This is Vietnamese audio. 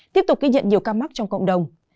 tiếp tục ghi nhận nhiều ca mắc trong cộng đồng